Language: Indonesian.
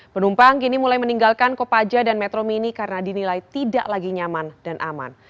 penumpang kini mulai meninggalkan kopaja dan metro mini karena dinilai tidak lagi nyaman dan aman